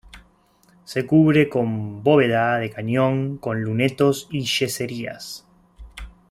Se cubre con bóveda de cañón con lunetos y yeserías.